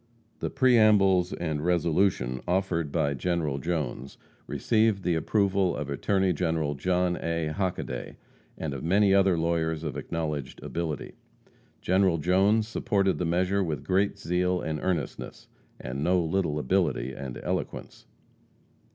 The preambles and resolution offered by General Jones received the approval of Attorney General John A. Hockaday, and of many other lawyers of acknowledged ability. General Jones supported the measure with great zeal and earnestness, and no little ability and eloquence.